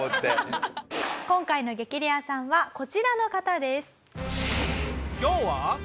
今回の激レアさんはこちらの方です。